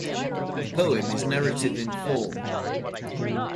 The poem is narrative in form.